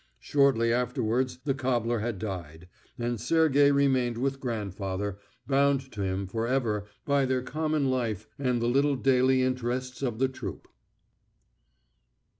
Shortly afterwards the cobbler had died, and Sergey remained with grandfather, bound to him for ever by their common life and the little daily interests of the troupe.